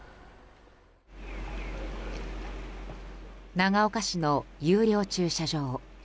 長岡市の有料駐車場。